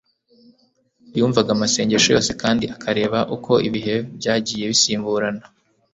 yumvaga amasengesho yose kandi akareba uko ibihe byagiye bisimburana